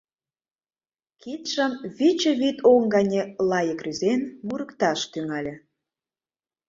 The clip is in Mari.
Кидшым Виче вӱд оҥ гане лайык рӱзен мурыкташ тӱҥале.